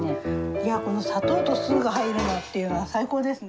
いやこの砂糖と酢が入るのっていうのは最高ですね。